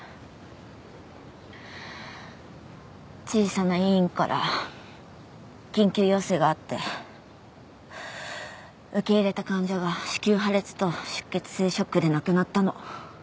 小さな医院から緊急要請があって受け入れた患者が子宮破裂と出血性ショックで亡くなったの。